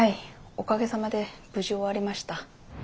おかげさまで無事終わりました。